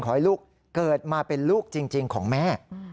ขอให้ลูกเกิดมาเป็นลูกจริงของแม่